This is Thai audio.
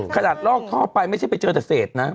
ลอกท่อไปไม่ใช่ไปเจอแต่เศษนะ